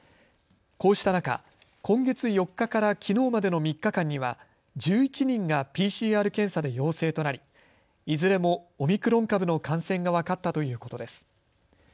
こうした中、今月４日からきのうまでの３日間には１１人がＰＣＲ検査で陽性となりいずれもオミクロン株の感染が分かったということです。